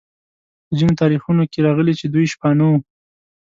په ځینو تاریخونو کې راغلي چې دوی شپانه وو.